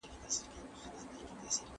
پیغمبر ص په خپلو ژمنو ولاړ و.